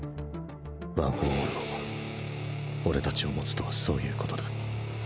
ワン・フォー・オールを俺達を持つとはそういう事だ。